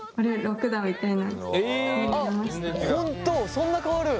そんな変わる？